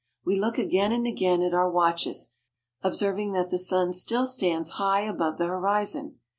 We look again and again at our watches, ob serving that the sun still stands high above the horizon.